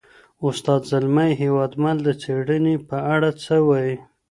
استاد زلمی هېوادمل د څېړني په اړه څه وایي؟